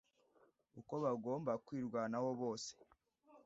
uko bagomba kwirwanaho bose.